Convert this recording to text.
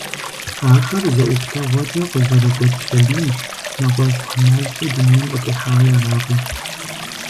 Ахэр зэ ӀуплъэгъуэкӀэ къызэрыгуэкӀ сабийщ, нэгъуэщӀ ӀэмалкӀэ дунейм къытехьауи аракъым.